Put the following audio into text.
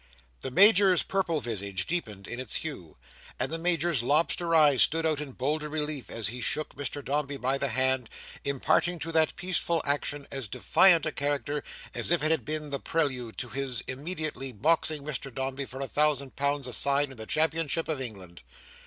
The Major's purple visage deepened in its hue, and the Major's lobster eyes stood out in bolder relief, as he shook Mr Dombey by the hand, imparting to that peaceful action as defiant a character as if it had been the prelude to his immediately boxing Mr Dombey for a thousand pounds a side and the championship of England.